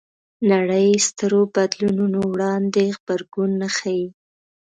نړۍ سترو بدلونونو وړاندې غبرګون نه ښيي